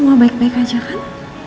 mau baik baik aja kan